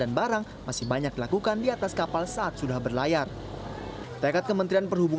ditarik saya ke bawah saya paksa lagi ke atas